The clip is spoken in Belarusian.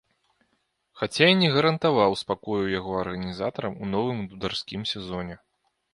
Хаця і не гарантаваў спакою яго арганізатарам у новым дударскім сезоне.